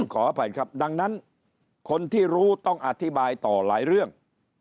ขออภัยครับดังนั้นคนที่รู้ต้องอธิบายต่อหลายเรื่อง